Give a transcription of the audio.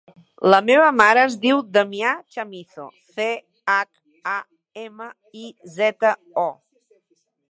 La meva mare es diu Damià Chamizo: ce, hac, a, ema, i, zeta, o.